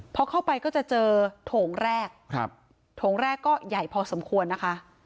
พอเข้าไปก็จะเจอโถงแรกครับโถงแรกก็ใหญ่พอสมควรนะคะ